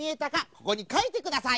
ここにかいてください！